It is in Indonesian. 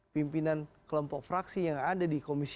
pimpinan kelompok fraksi yang ada di komisi tiga